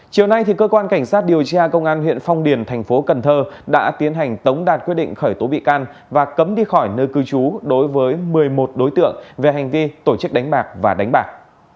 chiều nay cơ quan cảnh sát điều tra công an huyện phong điền thành phố cần thơ đã tiến hành tống đạt quyết định khởi tố bị can và cấm đi khỏi nơi cư trú đối với một mươi một đối tượng về hành vi tổ chức đánh bạc và đánh bạc